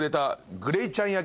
「グレイちゃん焼き？」